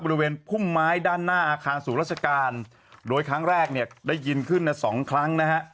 บริเวณพุ่มไม้ด้านหน้าอาคารสูงราชการโดยครั้งแรกเนี่ยได้ยินขึ้นนะสองครั้งนะฮะ